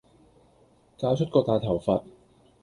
搞出個大頭佛